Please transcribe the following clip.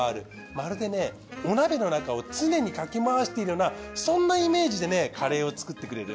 まるでねお鍋の中を常にかき回しているようなそんなイメージでねカレーを作ってくれてる。